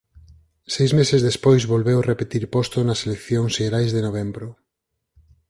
Seis meses despois volveu repetir posto nas eleccións xerais de novembro.